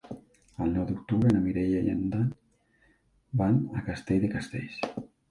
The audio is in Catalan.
El nou d'octubre na Mireia i en Dan van a Castell de Castells.